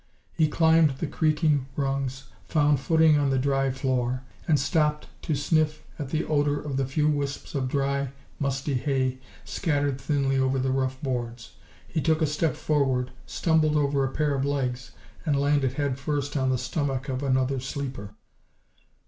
He climbed the creaking rungs, found footing on the dry floor, and stopped to sniff at the odor of the few wisps of dry, musty hay scattered thinly over the rough boards. He took a step forward, stumbled over a pair of legs and landed headfirst on the stomach of another sleeper.